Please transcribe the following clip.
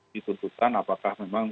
dikuntutan apakah memang